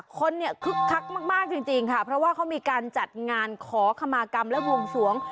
คนเนี่ยคึกคักมากจริงค่ะเพราะว่าเขามีการจัดงานขอขมากรรมและวงสวง